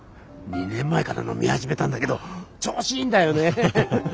２年前から飲み始めたんだけど調子いいんだよね。